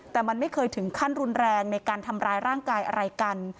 แต่มันไม่เคยถึงขั้นรุนแรงในการทำร้ายร่างกายอะไรกัน